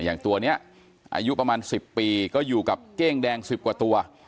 อย่างตัวนี้อายุประมาณ๑๐ปีก็อยู่กับเก้งแดง๑๐กว่าตัว